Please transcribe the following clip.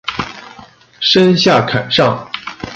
坤下坎上。